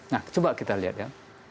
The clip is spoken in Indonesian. nah coba kita lihat ya